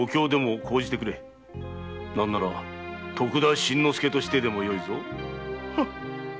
何なら“徳田新之助”としてでもよいぞ。